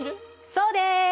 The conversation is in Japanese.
そうです！